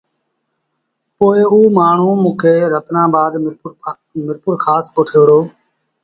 پوء او مآڻهوٚݩ موݩ کي رتنآن آبآد ميرپورکآس ميݩ ڪوٺي آيو۔